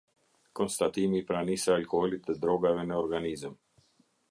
Konstatimi i pranisë së alkoolit dhe drogave në organizëm.